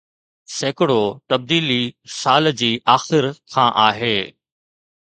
سيڪڙو تبديلي سال جي آخر کان آهي